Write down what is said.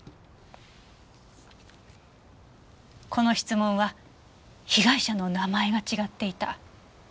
この質問は被害者の名前が違っていた。